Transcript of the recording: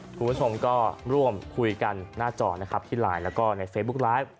คุณผู้ชมก็ร่วมคุยกันหน้าจอนะครับที่ไลน์แล้วก็ในเฟซบุ๊กไลฟ์